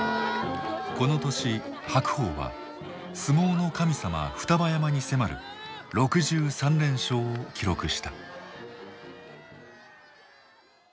この年白鵬は「相撲の神様」双葉山に迫る６３連勝を記録した。